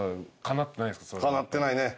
かなってないね。